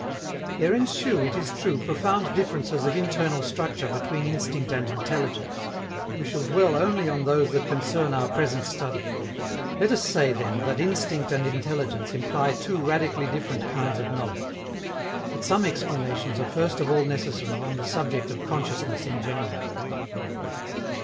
_ There ensue, it is true, profound differences of internal structure between instinct and intelligence. We shall dwell only on those that concern our present study. Let us say, then, that instinct and intelligence imply two radically different kinds of knowledge. But some explanations are first of all necessary on the subject of consciousness in general.